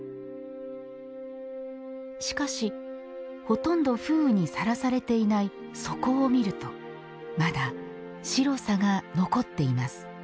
しかし、ほとんど風雨にさらされていない底を見るとまだ白さが残っています。